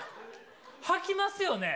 はきますよね？